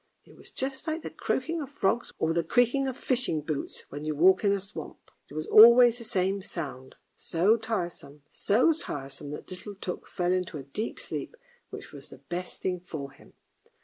It was just like the croaking of frogs or the creaking of fishing boots when you walk in a swamp. It was always the same sound, so tiresome, so tiresome that little Tuk fell into a deep sleep, which was the best thing for him.